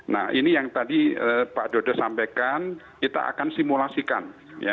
nah ini yang tadi pak dodo sampaikan kita akan simulasikan